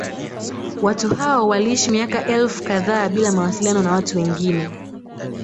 Watu hao waliishi miaka elfu kadhaa bila mawasiliano na watu wengine